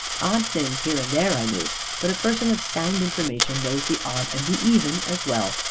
Odd things here and there I knew; but a person of sound information knows the odd and the even as well.